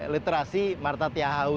literasi marta tiahau